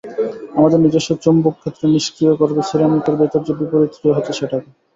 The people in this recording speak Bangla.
আমাদের নিজস্ব চৌম্বকক্ষেত্র নিষ্ক্রিয় করবে সিরামিকের ভেতরে যে - বিপরীত ক্রিয়া হচ্ছে সেটাকে।